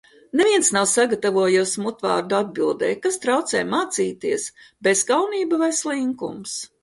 Neviens nav sagatavojies mutvārdu atbildei. Kas traucē mācīties? Bezkaunība vai slinkums?